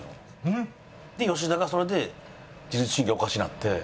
えっ？で吉田がそれで自律神経おかしなって。